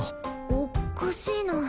おっかしいな。